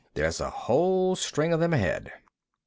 There's a whole string of them ahead.